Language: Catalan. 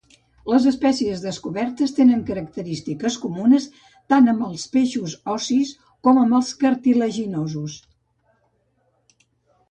Les espècies descobertes tenen característiques comunes tant amb els peixos ossis com amb els cartilaginosos.